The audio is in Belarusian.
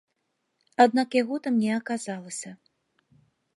Аднак яго там не аказалася.